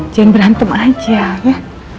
jangan berantem aja ya